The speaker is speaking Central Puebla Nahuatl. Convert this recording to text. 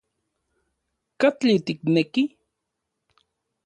¿Katli tikneki?